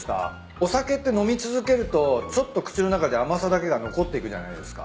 お酒って飲み続けるとちょっと口の中で甘さだけが残っていくじゃないですか。